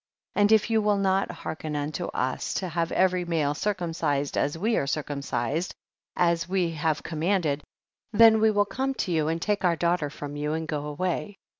45. And if you will not hearken unto us, to have every male circum cised as we are circumcised, as we have commanded, then we will come to you, and take our daughter from you and go away.